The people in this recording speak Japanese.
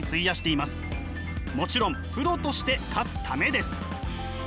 もちろんプロとして勝つためです。